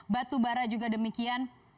batu bara juga demikian